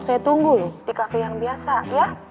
saya tunggu loh di kafe yang biasa ya